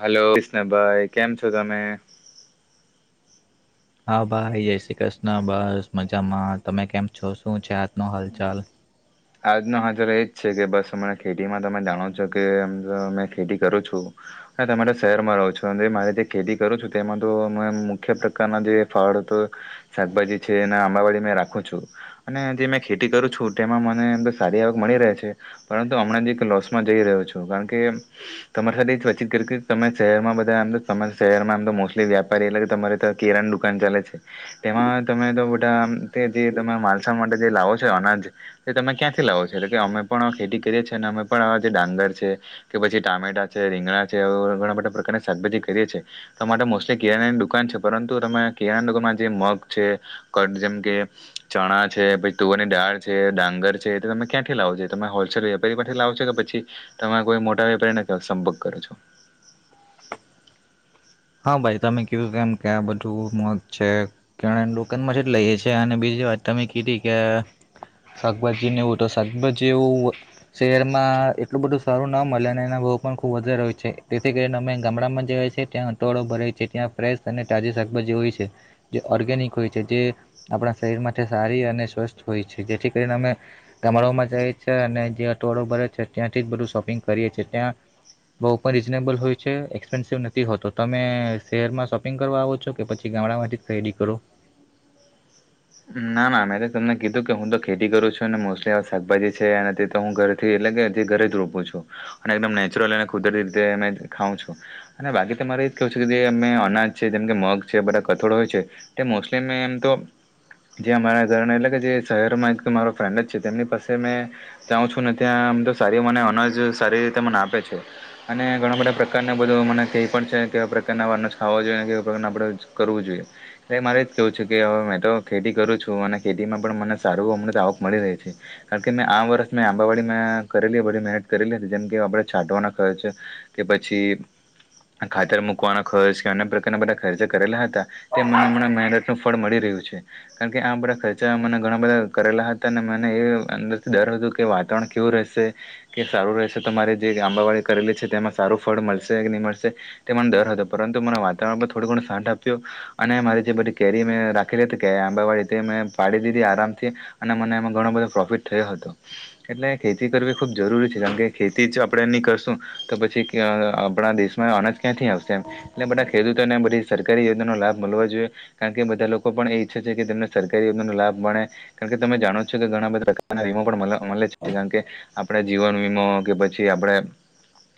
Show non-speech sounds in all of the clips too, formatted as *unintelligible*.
Hello કર્ષીનાભાઈ કેમ છો તમે હા ભાઈ જય શ્રી કૃષ્ણ બસ મજામાં તમે કેમ છો શું છે નો હાલચાલ આજનો હાલચાલ એજ છે કે બસ હમણાં ખેતીમાં તમે જાણો છો કે *inaudible* મેં ખેતી કરું છું અને તમે તો શહેરમાં રહો છો ને મારે જે ખેતી કરું છું તેમાં તો હ મુખ્ય પ્રકારના જે ફળ તો શાકભાજી છે ને આંબાવાડી મે રાખું છું અને જે મે ખેતી કરું છું તેમાં મને એમ તો સારી આવક મળી રહે છે, પરંતુ હમણાં જિક લોસમાં જઈ રહ્યો છું કારણ કે તમારી સાથે એ જ વાતચીત કરી કે તમે શહેરમાં બધા આમ તો *inaudible* શહેરમાં આમ તો મોસ્ટલી વ્યાપારી એટલે કે તમારે તો કેરાની દુકાન ચાલે છે તેમાં તમે તો બધા આમ તે જે તમે માલસામાન જે લાવો છો. છે અનાજ તે તમે ક્યાંથી લાવો છો? એટલે કે અમે પણ ખેતી કરીએ છે, અને અમે પણ જે ડાંગર છે કે પછી ટામેટા છે, રીંગણા છે *inaudible* ઘણા બધા પ્રકારની શાકભાજી કરીએ છે તો માટે મોસ્ટલી કિરાણાની દુકાન છે પરંતુ તમે કિરણા દુકાનમાં જે મગ છે કટ જેમ કે ચણા છે પ તુવરની દાળ છે, ડાંગર છે તે તમે ક્યાંથી લાવો જે તમે હોલસેલ વેપારી પરથી લાવો છો કે પછી તમારા કોઈ મોટા વેપારીને સંપર્ક કરો છો. હા ભાઈ. તમે કીધું કેમ કે આ બધું મોત *unintelligible* લઈએ છે. અને બીજી વાત તમે કીધી કે શાકભાજી ને એવું તો, શાકભાજી એવું શહેરમાં એટલું બધું સારું ના મલે, અને એના ભાવ પણ ખુબ વધારે હોય છે. તેથી કરીને અમે ગામડામાં જવા છે ત્યાં ટવાડો ભરાય છે, ત્યાં ફ્રેશ અને તાજી શાકભાજી હોય છે. જે ઓર્ગેનિક હોય છે. જે આપણા શરીર માટે સારી અને સ્વસ્થ હોય છે. જેથી કરીને અમે ગામડાઓમાં જાઈએ છે અને જે અટવાડો ભરાય છે ત્યાંથી જ બધું શોપિંગ કરીએ છે. ત્યાં ભાવ પણ રીઝનેબલ હોય છે, એક્સપેન્સિવ નથી હોતો. તમે શહેરમાં શોપિંગ કરવા આવો છો કે પછી ગામડામાંથી જ ખરીદી કરો? ના, ના. મેં તો તમને કીધું કે હું તો ખેતી કરું છું, અને મોસ્ટલી શાકભાજી છે, અને તે તો હું ઘરથી એટલે કે જે ઘરે જ રોપું છું. અને એકદમ નેચરલ અને કુદરતી રીતે એને ખાઉં છું. અને બાકી તો તમારે કેવું છે કે જે એમને અનાજ છે જેમ કે મગ છે, બધા કઠોળો હોય છે તે મોસ્ટલી મે એમ તો જ્યાં અમારા ઘરને એટલે કે જે શહેરમાં એક મારો ફ્રેન્ડ જ છે તેમની પાસે મે જાઉં છું, ને ત્યાં આમ તો સારી મને અનાજ સારી રીતે મને આપે છે. અને ઘણા બધા પ્રકારના બધું મને કેઈ પણ છે કેવા પ્રકારના આધા અનાજ ખાવા જોઈએ અને કેવા પ્રકાર આપણે અનાજ કરવું જોઈએ. એટલે મારે જ કેવું છે કે હવે મેં તો ખેતી કરું છું. અને ખેતીમાં પણ મને સારું અમને તો આવક મળી રહી છે, કારણ કે મેં આ વર્ષ મેં આંબાવાડીમાં કરેલી બધી મહેનત કરેલી હતી, જેમ કે આપણે છાંટવાનો ખર્ચ, કે પછી ખાતર મૂકવાનો ખર્ચ, કે અન્ય પ્રકારના બધા ખર્ચા કરેલા હતા તે મને હમણાં મહેનતનું ફળ મળી રહ્યું છે. કારણ કે આ બધા ખર્ચા મને ઘણા બધા કરેલા હતા અને મને એ અંદરથી ડર હતો કે વાતાવરણ કેવું રહેશે, કે સારું રહેશે તો મારે જે આંબાવાડી કરેલી છે તેમાં સારું ફળ મળશે કે ની મળશે, તે મને ડર હતો. પરંતુ મને વાતાવરણ એ થોડું ઘણું સાથ આપ્યું અને મારે જે બધી કેરી મેં રાખેલી હતી કે આંબાવાડી તે મેં પાડી દીધી આરામથી, અને મને એમાં ઘણો બધો પ્રોફિટ થયો હતો. એટલે ખેતી કરવી ખૂબ જરૂરી છે, કારણ કે ખેતી જો આપણે ની કરશું તો પછી આપણા ક દેશમાં અનાજ ક્યાંથી આવશે એમ! એટલે બધા ખેડૂતોને આ બધી સરકારી યોજનાનો લાભ મલવો જોઈએ. કારણ કે બધા લોકો પણ એ છે કે જે તેમને સરકારી યોજનાનો લાભ મળે, કારણ કે તમે જાણો છો કે ઘણા બધા પ્રકારના વીમો પણ મલ મલે છે, કારણ કે આપણે જીવન વીમો, કે પછી આપણે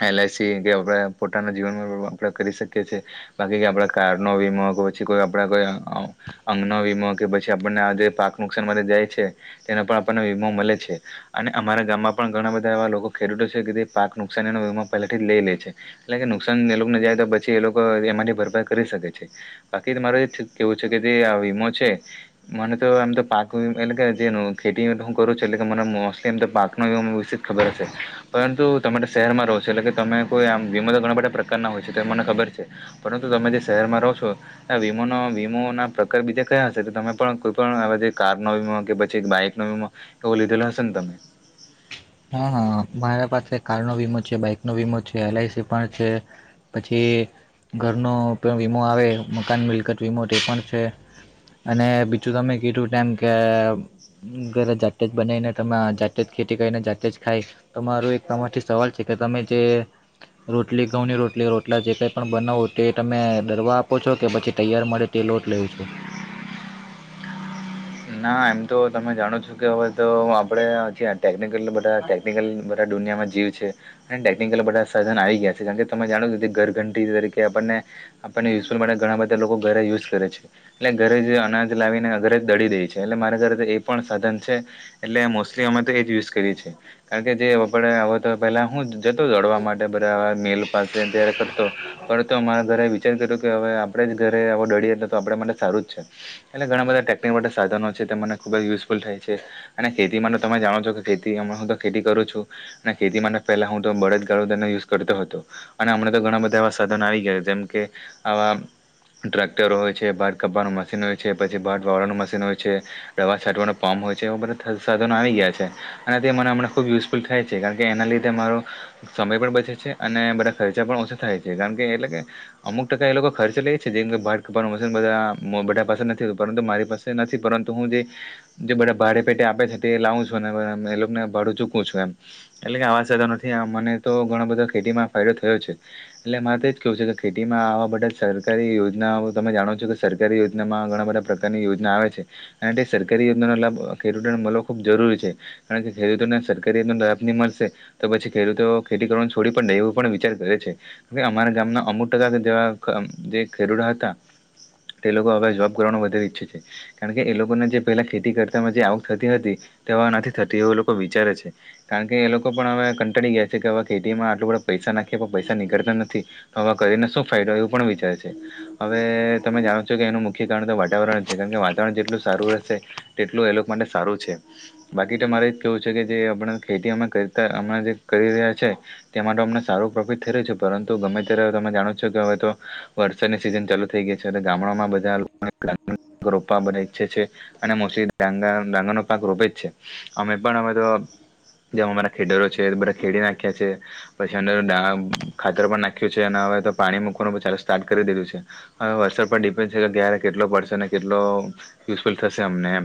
એલ આઈ સી કે આપણે પોતાના જીવન *unintelligible* આપણે કરી શકીએ છે. બાકી આપણે કાર નો વીમો, કે પછી કોઈ આપડા કોઈ *unintelligible* અંગનો વીમો કે પછી આપણને આ જે પાક નુકસાન માટે જાય છે તેનો પણ આપણને વીમો મલે છે. અને અમારા ગામમાં પણ ઘણા બધા એવા લોકો ખેડૂતો છે કે તે પાક નુકસાનીનો વીમો પહેલેથી જ લઈ લે છે. એટલે કે નુકસાન એ લોકોને જાય તો પછી એ લોકો તેમાંથી ભરપાઈ કરી શકે છે. બાકી તો મારે એ જ કેવું છે કે જે આ વીમો છે, મને તો આમ તો પાક એટલે કે જે ખેતી હું કરું છું એટલે કે મને મોસ્ટલી એમ તો પાકનો વીમો વિશે જ ખબર હશે. પરંતુ તમે તો શહેરમાં રહો છો એટલે કે તમે કોઈ આમ વીમો તો ઘણા બધા પ્રકારના હોય છે, તો એ મને ખબર છે. પરંતુ તમે જે શહેરમાં રહો છો ન્યાં વીમોનો વીમોના પ્રકાર બીજા કયા હશે? તો તમે પણ કોઈ પણ આવા જે કાર નો વીમો, કે પછી એક બાઈક નો વીમો, એવો લીધેલો હશે ને તમે? હા, હા. મારા પાસે કાર નો વીમો છે, બાઈક નો વીમો છે, એલ આઈ સી પણ છે. પછી ઘરનો પણ વીમો આવે, મકાન મિલકત વીમો તે પણ છે. અને બીજું તમે કીધું તેમ કે ઘરે જાતે જ બનાઈને તમે આ જાતે જ ખેતી કરીને જાત તે જ ખાય. તમારો એક તમારથી સવાલ છે કે તમે જે રોટલી ઘઉંની રોટલી રોટલા જે કંઈ પણ બનાવો તે તમે દરવા આપો છો કે પછી તૈયાર મળે તે લોટ લેવ છો? ના, એમ તો તમે જાણો છો કે હવે તો આપડે જે આ ટેકનિકલ બધા ટેકનિકલ બધા દુનિયામાં જીવ છે. અને ટેકનિકલ બધા સાધન આવી ગયા છે. જેમ કે તમે જાણો છો તે ઘરઘંટી તરીકે આપણને આપણ ને *unintelligible* માટે ઘણા બધા લોકો ઘરે યુઝ કરે છે, એટલે ઘરે જ અનાજ લાવી ને અ ઘરે દડી દે છે. એટલે મારા ઘરે તો એ પણ સાધન છે, એટલે મોસ્ટલી અમે તો એ જ યુઝ કરીએ છીએ, કારણ કે જેડ આવ તો પહેલા હું જતો દડવા માટે બરા આ મેલ પાસે ત્યારે કરતો, ફતો અમારા ઘરે વિચાર કર્યો કે હવે આપણેે જ ઘરે આવો ડડીએ તો તો આપ માટે સારું જ છે, એટલે ઘણા બધા ટેકનિક માટે સાધનો છે તે મને ખૂબ જ યુઝફુલ થાય છે, અને ખેતીમાં તમે જાણો છો કે ખેતી હ હું તો ખેતી કરું છું, અને ખેતી માટે પહેલા હું તો બળદગાળો તેને યુઝ કરતો હતો, અને હમણા તો ઘણા બધા એવા સાધનો આવી ગયા જેમ કે, આવા ટ્ર્રેક્ટરો હોય છે ભાત કપાનું મશીન હોય છે પછી ભાત વાવળવાનું મશીન. મ હોય છે, દવા છંટવાનો પામ હોય છે એવા બધા સાધનો આવી ગયા છે અને તે મને હમણાં ખૂબ યુઝફુલ થાય છે કારણ કે એના લીધે મારો, સમય પણ બચે છે અને બધા ખર્ચા પણ ઓછા થાય છે કારણ કે એટલે કે, અમુક ટકા એ લોકો ખર્ચો લઈે છે જેમ ભડ કવાનું મશન બધા બધા પાસે નથીું પરંતુ મારી પાસે નથી પરંતુ હું જે, બધા ભાડે પેટે આપે છે તે લાવું છું અને એ લોકોને ભાડું ચૂકવું છું એમ, એટલે કે આવા સધા નથી આ મને તો ઘણા બધા ખેતીમાં ફાયદો થયો છે, એટલે મારે તો જ કેવું છે કે ખેતીમાં આવા બધા સરકારી યોજના તમે જાણો છો કે સરકારી યોજનામાં ઘણા બધા પ્રકારની યોજ આવે છે, અને તે સરકારી યોજનાનો લાભ ખેડૂતોને મળવો ખૂબ જરૂરી છે, કારણ કે ખેડૂતોને સરકારી યોજનાનો લાભ નહીં મળશે, તો પછી ખેડૂતો ખેતી કરવાનો છોડી પણડ દે એવો પણ વિચાર કરે છે, કે અમારા ગામના અમુક ટકા જેવા જે ખેડૂડા હતા તે લોકો હવે જોબ કરવાનો વધારે ઈચ્છે છે. કારણ કે એ લોકોને જે પેલા ખેતી કરતા ત જે આવક થતી હતી, તે નથી થતી એવું લોકો વિચારે છે. કારણ કે એ લોકો પણ હવે કંટાળી ગયા છે, કે હવે ખેતી માં આટલું બધું પૈસા નાખીએ પૈસા નીકળતા નથી, તો હવે કરીને શું ફાયદો એવું પણ વિચારે છે હવે તમે જાણો છો કે એનું મુખ્ય કારણ તો વાતાવરણ કારણ કે વાતાવરણ જેટલું સારું રહેશે તેટલું એ લોકો માટે સારું છે, બાકી તો મારે એ જ કેવું છે કે જે આપણા ખેતી અમે કરતા હમણાં જે કરી રહ્યા છે, તેમાં તો અમને સારું પ્રોફિટ થઈ રહ્યું છે, પરંતુ ગમે ત્યારે તમે જાણો છો કે હવે તો, વરસાદની સિઝન ચાલુ થઈ ગઈ છે, અને ગામડામાં બધા વા બ ઈચ્છે છે અને મોસ્ટલીંગ ડાંગાનો પાક રોપે જ છે, અમે પણ હવે તો જેમ અમારા ખેડરો છે, બધા ખેડી નાખ્યા છે પછી અ ખાતર પણ નાખ્યું છે, અને હવે તો પાણી મૂકવાનું ચાલ સ્ટાર્ટ કરી દીધું છે, હવે વરસાર પર ડિપેન્ડ છે, કે ક્યારે કેટલો પડ અને કેટલો યુઝફુલ થશે અમને એ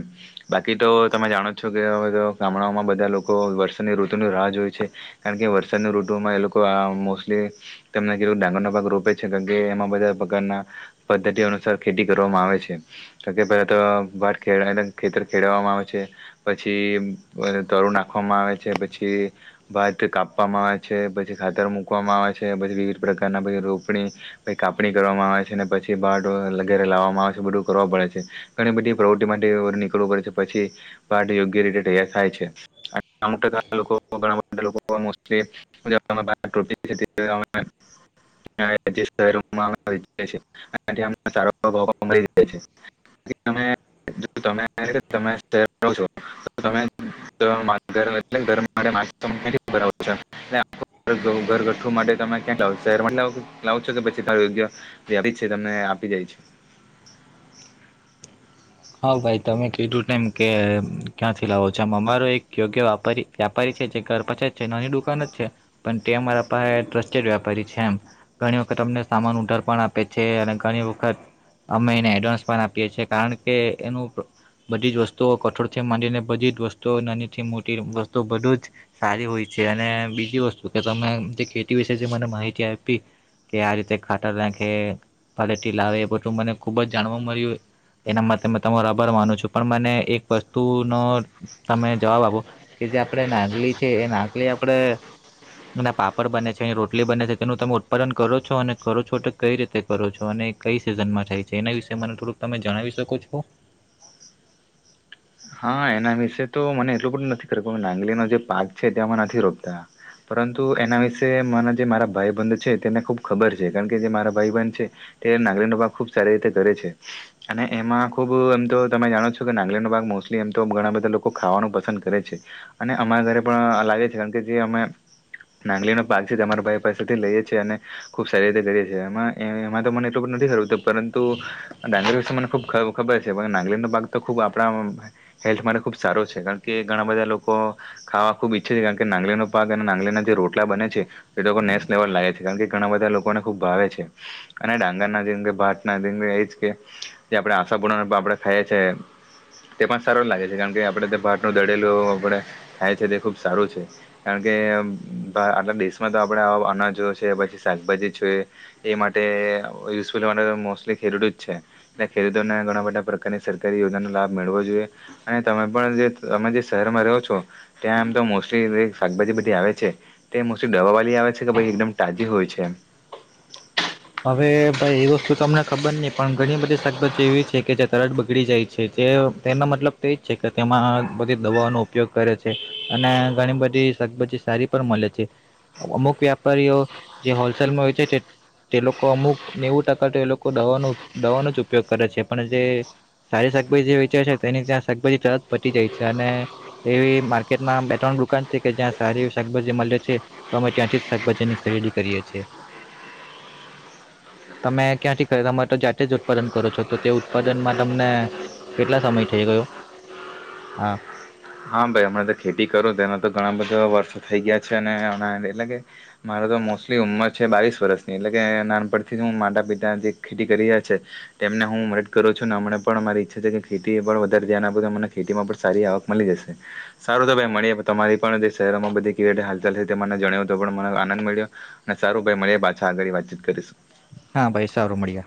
બાકી તો તમે જાણો છો કે હવે ગામડાઓમાં બધા લોકો વરસાદની ઋતુની રાહ જોય છે કારણ કે વરસાદની ઋતુમાં એ લોકો આ મોસ્ટલી તને કેટક ડાંગરનો પાક રોપે છે, કારણકે એમાં બધા પ્રકારના પદ્ધતિ અનુસાર ખેતી કરવામાં આવે છે. કે પ તો ભા ખેતર ખેડવામાં આવે છે, પછી તરું નાખવામાં આવે છે, પછી ભાત કાપવામાં આવે છે, પછી ખાતર મૂકવામાં આવે છે, પછી વિવિધ પ્રકારનાછ રોપણી કાપણી કરવામાં આવે છે, ને પછી ભાટ લગેરે લાવવામાં આવે છે બધું છે ઘણી બધી પ્રવૃતિ માટે નીકળવું પડે છે પછી યોગ્ય રીતે તૈયાર થાય છે. *unintelligible* *unintelligible* છો તમે ઘરગઠું માટે તમે શહેર લાવ છો કે પછીયોગ છે ત આપ જાય છે. હા ભાઈ તમે કીધું ને એમ કે ક્યાંથી લાવો છોમ અમારો એક યોગ્ય વપારી વ્યાપારી છે જે ઘર પછી જ છે નાની દુકાન જ છે, પણ તે અરા પાસે ટ્રસ્ટેડ વ્યાપારી છે એમ, ઘણી વખત અમને સામાન ઉધર પણ આપે છે અને ઘણી વખત અમે એને એડવાન્સ પણ આપીએ છીએ કારણ કે એનું બધી જ વસ્તુઓ કઠોર થી માંડીને બધી જ વસ્તુઓ નાનીથી મોટી વસ્તુ બધું જ સારી હોય છે, અને બીજી વસ્તુ કે તમે જે ખેતી વિશે મને માહિતી આપી, કે આ રીતે ખાટાખેટી લાવે એ બધું મને ખુબ જ જાણવા મળ્યું. એના માટે તમારો આભાર માનું છું, પણ મને એક વસ્તુનો તમે જવાબ આપો કે જે આપણે નાગલી છે, એ નાગલી આપણે ના પાપડ બને છે રોટલી બને છે તેનું તમે ઉત્પાદન કરો છો અને કરો છો તો કઈ રીતે કરો છો અને કઈ સિઝનમાં થાય છે, એના વિશે મને થોડુંક તમે જણાવીશ સકો છો? હા એના વિશેે તો મને એટલું પણ નથી ખું નાંગલીનો જે પાક છે તેમાં નથી રોપતા, પરંતુ એના વિશે મને જે મારા ભાઈબંધ છે તેને ખુબ ખબર છે કારણ કે જે મારા ભાઈ બંધ છે, તે નાંગલીનો ભક ખુબ સારી રીતે કરે છે, અને એમાં ખુબ એમ તો તમે જાણો છો કે નાંગલીનો ભાગ મોસમ એમ તો ઘણા બધા લોકો ખાવાનું પસંદ કરે છે, અને અમારા ઘરે પણ લાગે છે કારણ કે જે અમે નાંગલીનો પાક છે અરા ભાઈ પાસેથી લઈએ છીએ અને ખુબ સારી રીતે કરીએ છીએમાં એમાં તો મને એટલું નથી ખરુંતું પરંતુ નાંગલી વિ મને ખુબ ખબર છે પણ નાંગલીનો પાક તો ખુબ આપણા હેલ્થ માટે ખૂબ સારો છે કારણ કે ઘણા બધા લોકો ખાવા ખૂબ ઈચ્છે છે કારણ કે નાંગળનો પાક અને નાંગળીના જે રોટલા બને છે એ લોકો નેસ લેવલ લાગે છે કારણ કે ઘણા બધા લોકોને ખૂબ ભાવે છે અને ડાંગરના જેંગ ભાત ના જે એ જ કે જે આપણે આશાપૂર્ણ આપણે ખાઈએ છે. તે પણ સારો લાગે છે કારણ કે આપણે ભાતનું દડેલું આપણે થાય છે તે ખુબ સારું છે કારણ કે આટલા દેશમાં તો આપણે અનાજો છે પછી શાકભાજી છે એ માટે યુઝફુલ મોસ્ટલી ખેડૂત જ છે એ ખેડૂતોને ઘણા બધા પ્રકારની સરકારી યોજનાનો લાભ મેળવો જોઈએ અને તમે પણ જે તમે જે શહેરમાં રહો છો ત્યાં આમ તો મોસ્ટલી શાકભાજી બધી આવે છે તે મોસ્ટલી દવા વાળી આવે છે કે ભ એકદમ તાજી હોય છે. હવે ભાઈ એ વસ્તુમને ખબર નહી પણ ઘણી બધી શાકભાજી એવી છે કે જે તરત બગડી જાય છે તે તેનો મતલબ તો એજ છે કે તેમાં બધી દવાઓનો ઉપયોગ કરે છે અને ઘણી બધી શાકભાજી સારી પણ મળે છે, અમુક વ્યાપારીઓ જે હોલસેલમાં હોય છે. તે લોકો અમુક નેવું ટકા તો એ લોકો દવાનું દવાનો જ ઉપયોગ કરે છે પણ જે સારી શાકભાજી જે વેચે છે, તેની ત્યાં શાકભાજી તરત પટી જાય છે અને એવી માર્કેટમાં બે ત્રણ દુકાન છે કે જ્યાં સારી શાકભાજી મળે છે, તો અમે ત્યાંથી જ શાકભાજીની ખરીદી કરીએ છીએ. તમે ક્યાંથી ખ તમે તો જાતે જ ઉત્પાદન કરો છો તો તે ઉત્પાદનમાં તમને કેટલા સમય થઈ ગયો. હા હા ભાઈ હમણાં તો ખેતી કરું એના તો ઘણા બધા વર્ષો થઈ ગયા છે અને એટલે કે મારો તો મોસ્ટલી ઉંમર છે બાવીસ વર્ષની એટલે કે નાનપણથી જ હું માતા પિતા જે ખેતી કરી રહ્યા છે તેમને હું મદદ કરું છું ને હમને પણ મારી ઈચ્છા છે કે ખેતી પણ વધારે જયાના પ અમને ખેતીમાં પણ સારી આવક મળી જશે. સારું તો ભાઈ મળી તમારી પણ શહેરોમાં બધી ક હાલચાલ છે તે મને જણાવ તો પણ મને આનંદ મળ્યો. અને સારું ભાઈ મળીએ પાછા આગળ વાતચીત કરીશું. હા ભાઈ સારું મળ્યે